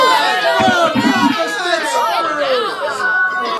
তবে মার্কিন পররাষ্ট্র দপ্তর জানায়, কেবল কনস্যুলেটের কাজের ভেতরেই তাঁর রক্ষাকবচ সীমাবদ্ধ।